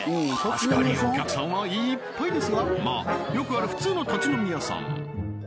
確かにお客さんはいっぱいですがまあよくある普通の立ち飲み屋さん